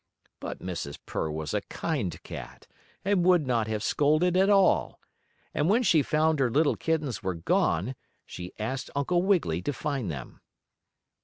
But Mrs. Purr was a kind cat, and would not have scolded at all. And when she found her little kittens were gone she asked Uncle Wiggily to find them.